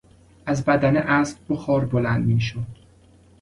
از بدن اسب بخار بلند میشد.